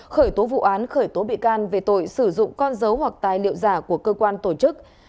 khởi tố vụ án khởi tố bị can về tội sử dụng con dấu hoặc tài liệu giả của cơ quan tổ chức